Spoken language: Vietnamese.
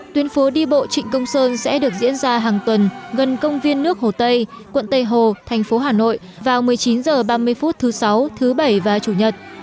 tuyến phố đi bộ trịnh công sơn sẽ được diễn ra hàng tuần gần công viên nước hồ tây quận tây hồ thành phố hà nội vào một mươi chín h ba mươi phút thứ sáu thứ bảy và chủ nhật